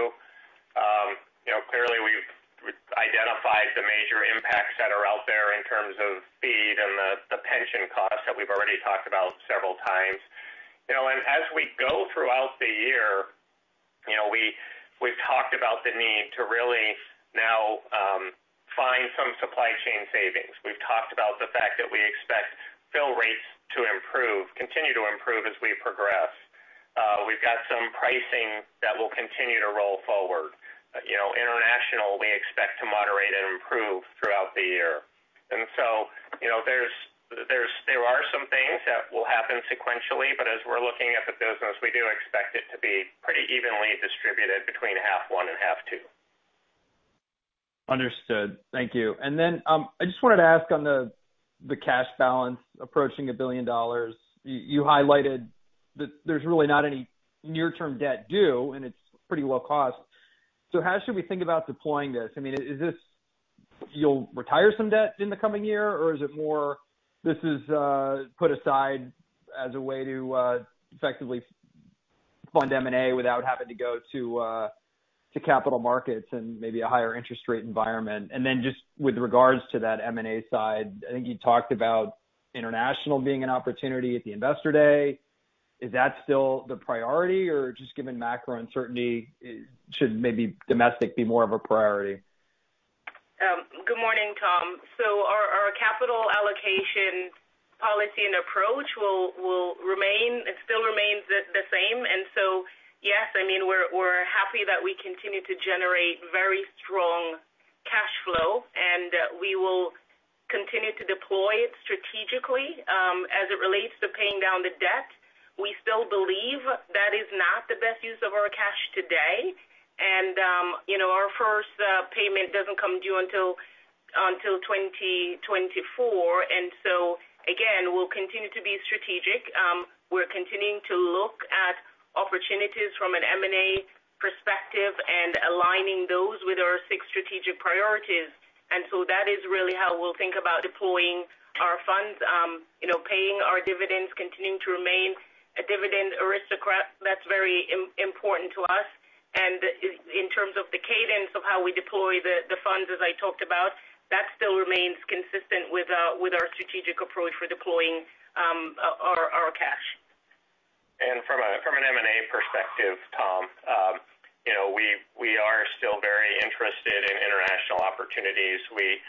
You know, clearly we've identified the major impacts that are out there in terms of feed and the pension costs that we've already talked about several times. You know, as we go throughout the year, you know, we've talked about the need to really now find some supply chain savings. We've talked about the fact that we expect fill rates to improve, continue to improve as we progress. We've got some pricing that will continue to roll forward. You know, international, we expect to moderate and improve throughout the year. You know, there are some things that will happen sequentially, but as we're looking at the business, we do expect it to be pretty evenly distributed between half one and half two. Understood. Thank you. I just wanted to ask on the cash balance approaching $1 billion. You highlighted that there's really not any near-term debt due, and it's pretty low cost. How should we think about deploying this? I mean, is this you'll retire some debt in the coming year, or is it more this is put aside as a way to effectively fund M&A without having to go to capital markets and maybe a higher interest rate environment? With regards to that M&A side, I think you talked about international being an opportunity at the investor day. Is that still the priority? Or just given macro uncertainty, should maybe domestic be more of a priority? Good morning, Tom. Our capital allocation policy and approach will remain and still remains the same. Yes, I mean, we're happy that we continue to generate very strong cash flow, and we will continue to deploy it strategically. As it relates to paying down the debt, we still believe that is not the best use of our cash today. You know, our first payment doesn't come due until 2024. Again, we'll continue to be strategic. We're continuing to look at opportunities from an M&A perspective and aligning those with our six strategic priorities. That is really how we'll think about deploying our funds, you know, paying our dividends, continuing to remain a Dividend Aristocrat. That's very important to us. In terms of the cadence of how we deploy the funds, as I talked about, that still remains consistent with our strategic approach for deploying our cash. From an M&A perspective, Tom, you know, we are still very interested in international opportunities. We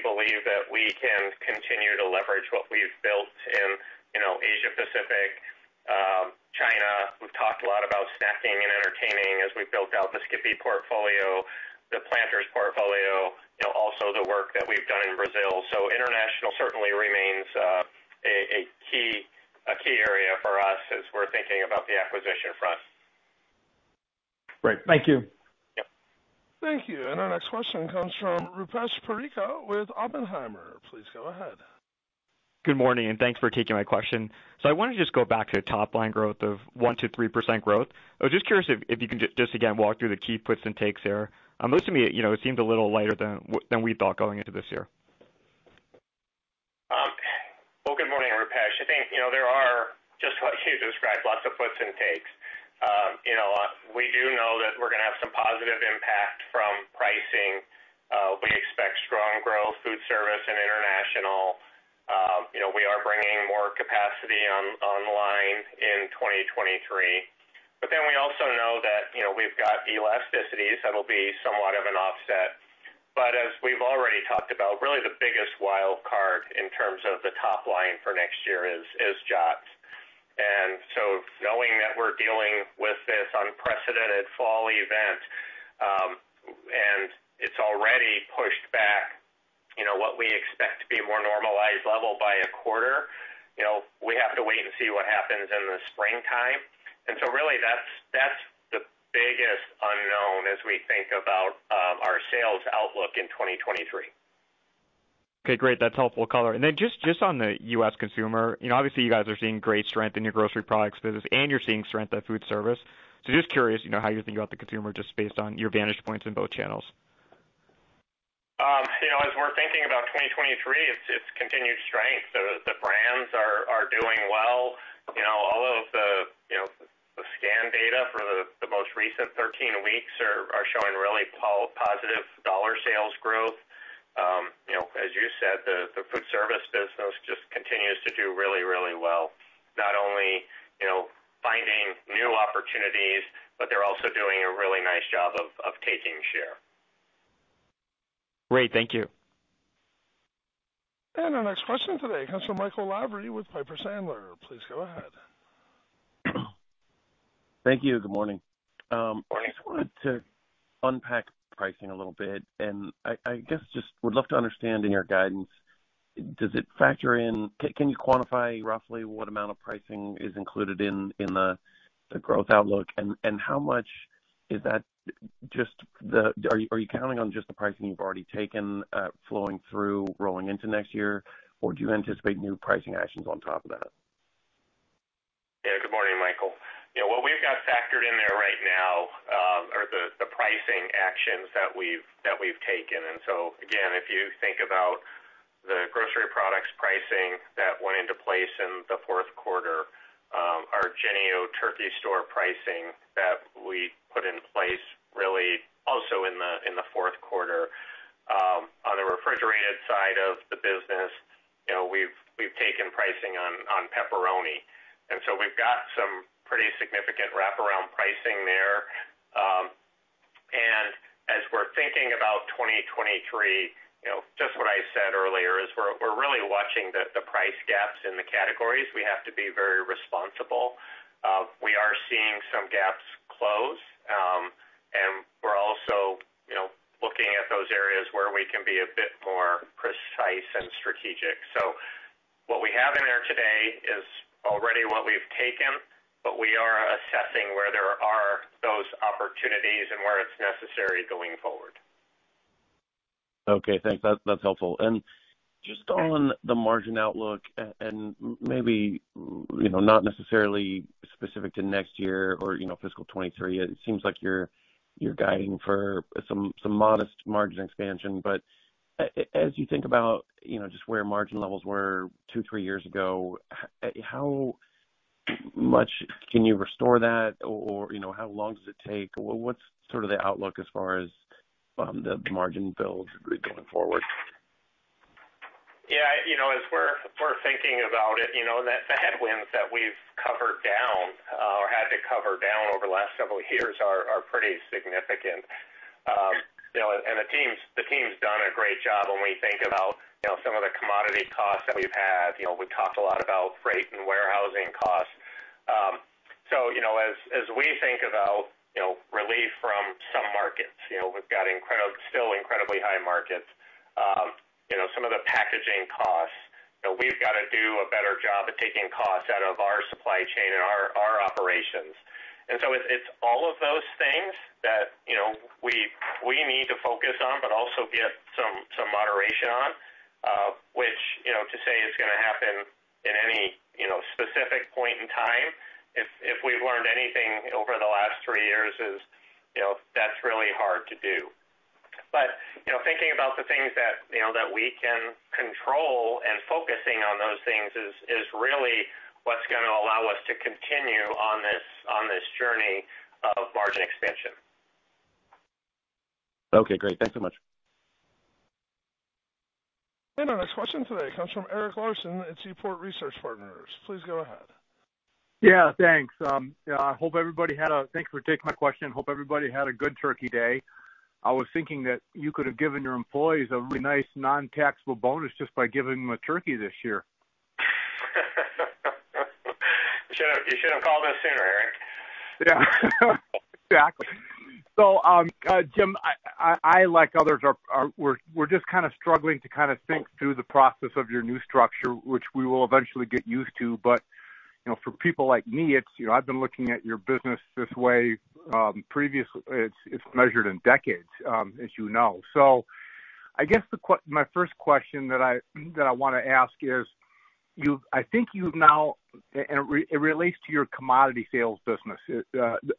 believe that we can continue to leverage what we've built in, you know, Asia Pacific, China. We've talked a lot about snacking and entertaining as we've built out the SKIPPY portfolio, the Planters portfolio, you know, also the work that we've done in Brazil. International certainly remains a key area for us as we're thinking about the acquisition front. Great. Thank you. Yep. Thank you. Our next question comes from Rupesh Parikh with Oppenheimer. Please go ahead. Good morning. Thanks for taking my question. I want to just go back to top line growth of 1%-3% growth. I was just curious if you can just again, walk through the key puts and takes here. Those to me, you know, it seemed a little lighter than we thought going into this year. Well, good morning, Rupesh. I think, you know, there are just like you described, lots of puts and takes. you know, we do know that we're gonna have some positive impact from pricing. We expect strong growth, Foodservice and International. you know, we are bringing more capacity on-online in 2023. We also know that, you know, we've got elasticities that'll be somewhat of an offset. As we've already talked about, really the biggest wild card in terms of the top line for next year is Justin's. Knowing that we're dealing with this unprecedented fall event, and it's already pushed back, you know, what we expect to be more normalized level by a quarter, you know, we have to wait and see what happens in the springtime. Really that's the biggest unknown as we think about our sales outlook in 2023. Okay, great. That's helpful color. Then just on the U.S. consumer, you know, obviously you guys are seeing great strength in your grocery products business and you're seeing strength at Foodservice. Just curious, you know, how you think about the consumer just based on your vantage points in both channels. You know, as we're thinking about 2023, it's continued strength. The brands are doing well. You know, all of the, you know, the scan data for the 13 weeks are showing really positive dollar sales growth. You know, as you said, the Foodservice business just continues to do really well, not only, you know, finding new opportunities, but they're also doing a really nice job of taking share. Great. Thank you. Our next question today comes from Michael Lavery with Piper Sandler. Please go ahead. Thank you. Good morning. I just wanted to unpack pricing a little bit, and I guess just would love to understand in your guidance, does it factor in, can you quantify roughly what amount of pricing is included in the growth outlook? How much is that just the, are you counting on just the pricing you've already taken, flowing through rolling into next year? Or do you anticipate new pricing actions on top of that? Yeah, good morning, Michael. You know what we've got factored in there right now, are the pricing actions that we've taken. Again, if you think about the grocery products pricing that went into place in the fourth quarter, our Jennie-O Turkey Store pricing that we put in place really also in the fourth quarter. On the refrigerated side of the business, you know, we've taken pricing on pepperoni, we've got some pretty significant wraparound pricing there. As we're thinking about 2023, you know, just what I said earlier is we're really watching the price gaps in the categories. We have to be very responsible. We are seeing some gaps close. We're also, you know, looking at those areas where we can be a bit more precise and strategic. What we have in there today is already what we've taken, but we are assessing where there are those opportunities and where it's necessary going forward. Okay, thanks. That's helpful. Just on the margin outlook and maybe, you know, not necessarily specific to next year or, you know, fiscal 2023, it seems like you're guiding for some modest margin expansion. As you think about, you know, just where margin levels were two, three years ago, how much can you restore that? Or, you know, how long does it take? What's sort of the outlook as far as the margin build going forward? Yeah, you know, as we're thinking about it, you know, the headwinds that we've covered down or had to cover down over the last several years are pretty significant. The team's done a great job when we think about, you know, some of the commodity costs that we've had. You know, we've talked a lot about freight and warehousing costs. You know, as we think about, you know, relief from some markets, you know, we've got still incredibly high markets, you know, some of the packaging costs. You know, we've got to do a better job at taking costs out of our supply chain and our operations. It's all of those things that, you know, we need to focus on but also get some moderation on, which, you know, to say it's gonna happen in any, you know, specific point in time, if we've learned anything over the last three years is, you know, that's really hard to do. You know, thinking about the things that, you know, that we can control and focusing on those things is really what's gonna allow us to continue on this journey of margin expansion. Okay, great. Thanks so much. Our next question today comes from Eric Larson at Seaport Research Partners. Please go ahead. Thanks. I hope everybody thanks for taking my question. Hope everybody had a good Turkey Day. I was thinking that you could have given your employees a really nice non-taxable bonus just by giving them a turkey this year. You should have, you should have called us sooner, Eric. Yeah. Exactly. Jim, I, like others, we're just kind of struggling to kind of think through the process of your new structure, which we will eventually get used to. You know, for people like me, it's, you know, I've been looking at your business this way, it's measured in decades, as you know. I guess my first question that I wanna ask is it relates to your commodity sales business,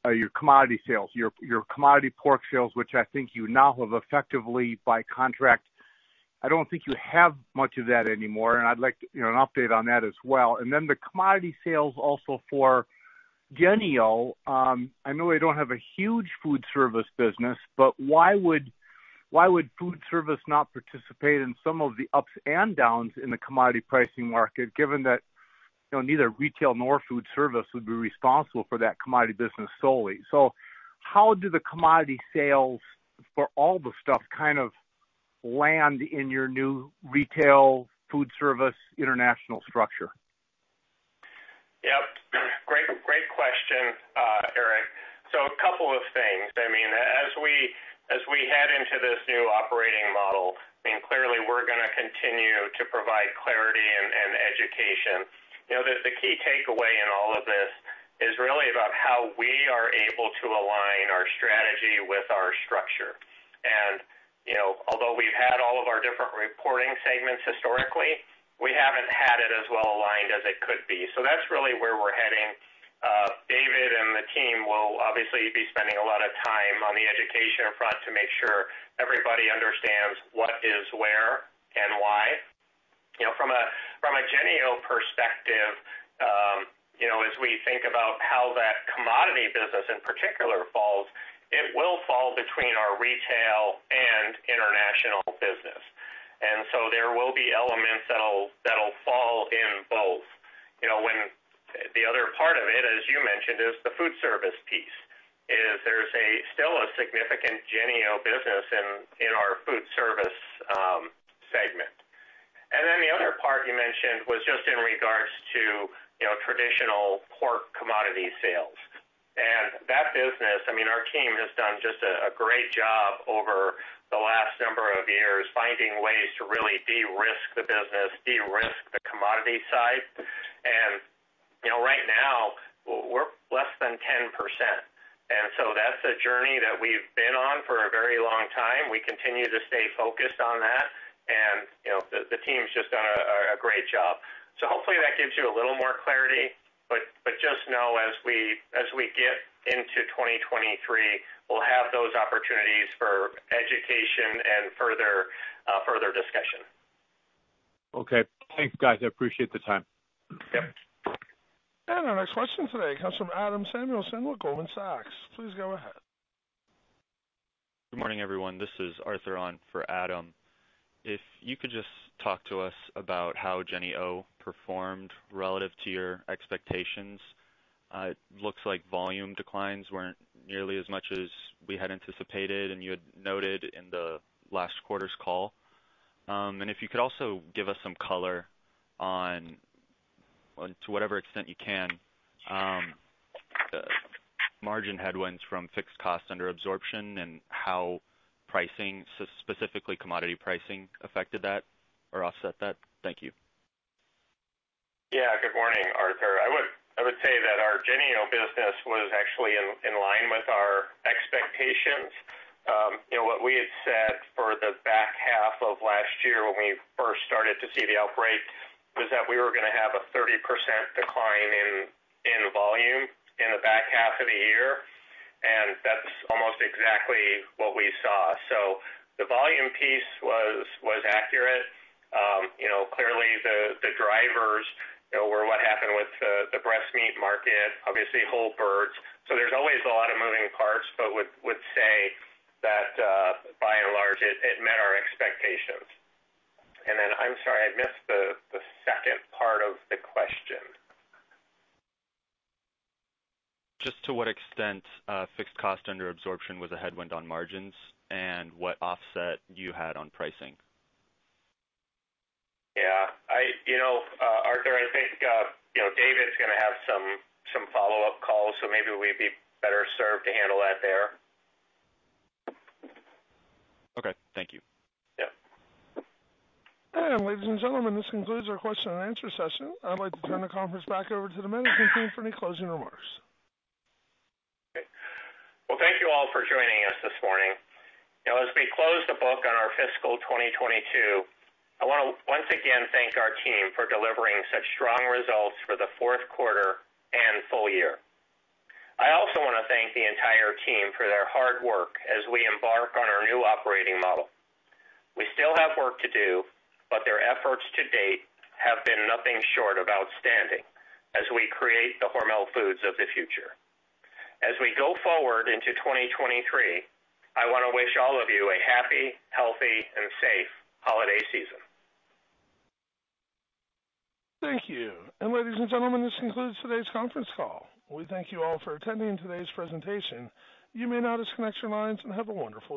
your commodity sales, your commodity pork sales, which I think you now have effectively by contract, I don't think you have much of that anymore, and I'd like, you know, an update on that as well. The commodity sales also for Jennie-O. I know they don't have a huge Foodservice business, why would Foodservice not participate in some of the ups and downs in the commodity pricing market, given that, you know, neither Retail nor Foodservice would be responsible for that commodity business solely? How do the commodity sales for all the stuff kind of land in your new Retail, Foodservice, International structure? Yep. Great question, Eric. A couple of things. I mean, as we head into this new operating model, I mean, clearly we're gonna continue to provide clarity and education. You know, the key takeaway in all of this is really about how we are able to align our strategy with our structure. You know, although we've had all of our different reporting segments historically, we haven't had it as well aligned as it could be. That's really where we're heading. David and the team will obviously be spending a lot of time on the education front to make sure everybody understands what is where and why. You know, from a Jennie-O perspective, you know, as we think about how that commodity business in particular falls, it will fall between our Retail and International business. There will be elements that'll fall in both. You know, the other part of it, as you mentioned, is the Foodservice piece, is there's still a significant Jennie-O business in our Foodservice segment. The other part you mentioned was just in regards to, you know, traditional pork commodity sales. That business, I mean, our team has done just a great job over the last number of years finding ways to really de-risk the business, de-risk the commodity side. You know, right now we're less than 10%. That's a journey that we've been on for a very long time. We continue to stay focused on that. You know, the team's just done a great job. Hopefully that gives you a little more clarity. Just know as we get into 2023, we'll have those opportunities for education and further discussion. Okay. Thank you, guys. I appreciate the time. Yep. Our next question today comes from Adam Samuelson with Goldman Sachs. Please go ahead. Good morning, everyone. This is Arthur on for Adam. If you could just talk to us about how Jennie-O performed relative to your expectations. It looks like volume declines weren't nearly as much as we had anticipated, and you had noted in the last quarter's call. If you could also give us some color on To whatever extent you can, the margin headwinds from fixed cost under absorption and how pricing, specifically commodity pricing affected that or offset that? Thank you. Good morning, Arthur. I would say that our Jennie-O business was actually in line with our expectations. You know what we had said for the back half of last year when we first started to see the outbreak was that we were gonna have a 30% decline in volume in the back half of the year, that's almost exactly what we saw. The volume piece was accurate. You know, clearly the drivers, you know, were what happened with the breast meat market, obviously whole birds. There's always a lot of moving parts, would say that by and large, it met our expectations. I'm sorry, I missed the second part of the question. Just to what extent, fixed cost under absorption was a headwind on margins and what offset you had on pricing. Yeah, you know, Arthur, I think, you know, David's gonna have some follow-up calls, so maybe we'd be better served to handle that there. Okay. Thank you. Yeah. Ladies and gentlemen, this concludes our question and answer session. I'd like to turn the conference back over to the management team for any closing remarks. Well, thank you all for joining us this morning. You know, as we close the book on our fiscal 2022, I wanna once again thank our team for delivering such strong results for the fourth quarter and full year. I also wanna thank the entire team for their hard work as we embark on our new operating model. We still have work to do, but their efforts to date have been nothing short of outstanding as we create the Hormel Foods of the future. As we go forward into 2023, I wanna wish all of you a happy, healthy, and safe holiday season. Thank you. Ladies and gentlemen, this concludes today's conference call. We thank you all for attending today's presentation. You may now disconnect your lines and have a wonderful day.